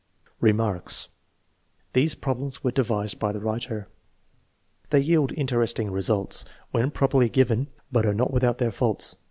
Remarks. These problems were devised by the writer. They yield interesting results, when properly given, but are not without their faults.